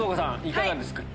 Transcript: いかがですか？